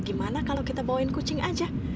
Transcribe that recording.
gimana kalau kita bawain kucing aja